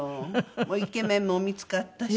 もうイケメンも見付かったし。